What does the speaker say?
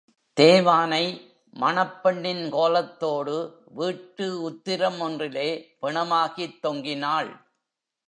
தேவானை மணப்பெண்ணின் கோலத்தோடு வீட்டு உத்திரம் ஒன்றிலே பிணமாகித் தொங்கினாள்!